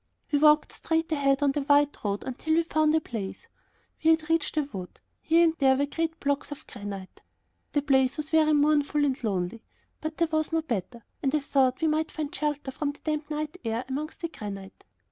We walked straight ahead on the white road until we found a place. We had reached a wood. Here and there were great blocks of granite. The place was very mournful and lonely, but there was no better, and I thought that we might find shelter from the damp night air amongst the granite.